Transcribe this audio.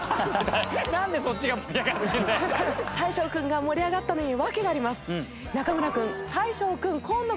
大昇くんが盛り上がったのには訳があります。